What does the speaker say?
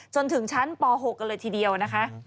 จนถึงชั้นป๖กันเลยทีเดียวนะคะ